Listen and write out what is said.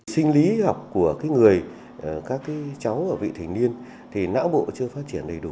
sinh lý học của người các cháu ở vị thành niên thì não bộ chưa phát triển đầy đủ